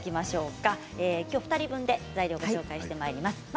きょうは２人分で材料をご紹介してまいります。